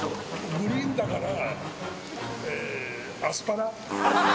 グリーンだから、アスパラ。